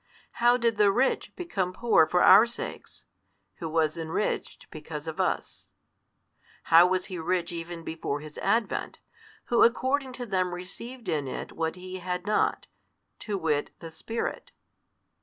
How did the Rich become poor for our sakes, who was enriched because of us? How was He rich even before His Advent, Who according to them received in it what He had not, to wit the Spirit?